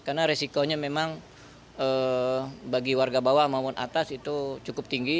karena resikonya memang bagi warga bawah maupun atas itu cukup tinggi